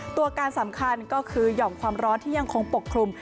ตัวการสำคัญก็คือหย่อมความร้อนที่ยังคงปกคลุม